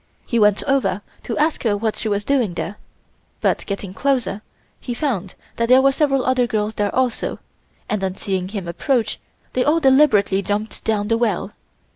He went over to ask her what she was doing there, but on getting closer he found that there were several other girls there also, and on seeing him approach, they all deliberately jumped down the well.